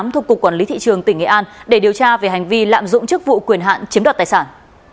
thuộc cục quản lý thị trường tỉnh nghệ an để điều tra về hành vi lạm dụng chức vụ quyền hạn chiếm đoạt tài sản